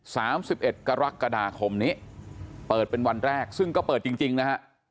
สามสิบเอ็ดกรกฎาคมนี้เปิดเป็นวันแรกซึ่งก็เปิดจริงจริงนะฮะ